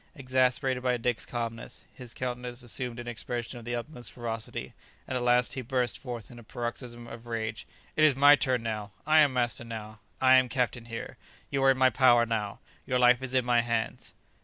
Exasperated by Dick's calmness, his countenance assumed an expression of the utmost ferocity, and at last he burst forth in a paroxysm of rage. "It is my turn now! I am master now! I am captain here! You are in my power now! Your life is in my hands!"